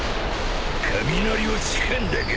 雷をつかんだか。